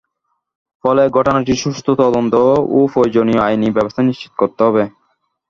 ফলে ঘটনাটির সুষ্ঠু তদন্ত ও প্রয়োজনীয় আইনি ব্যবস্থা নিশ্চিত করতে হবে।